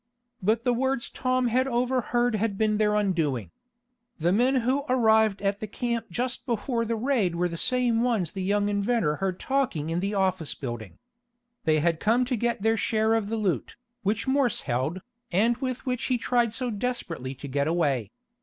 But the words Tom had overheard had been their undoing. The men who arrived at the camp just before the raid were the same ones the young inventor heard talking in the office building. They had come to get their share of the loot, which Morse held, and with which he tried so desperately to get away.